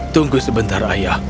tunggu sebentar ayah